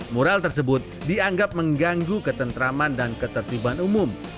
mural tersebut dianggap mengganggu ketentraman dan ketertiban umum